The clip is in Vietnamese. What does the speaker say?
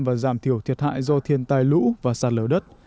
và giảm thiểu thiệt hại do thiên tai lũ và sạt lở đất